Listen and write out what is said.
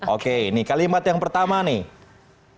oke ini kalimat yang pertama nih